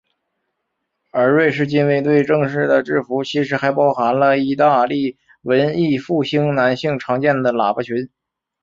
而瑞士近卫队正式的制服其实还包含了义大利文艺复兴男性常见的喇叭裙。